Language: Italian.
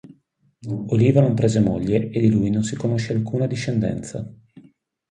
Oliva non prese moglie e di lui non si conosce alcuna discendenza.